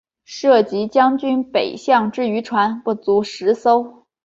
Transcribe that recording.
设籍将军北港之渔船不足十艘。